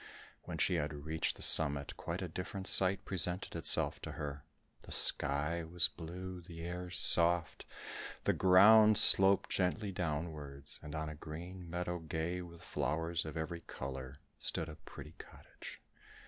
When she had reached the summit, quite a different sight presented itself to her; the sky was blue, the air soft, the ground sloped gently downwards, and on a green meadow, gay with flowers of every colour, stood a pretty cottage.